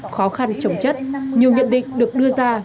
khó khăn trồng chất nhiều nhận định được đưa ra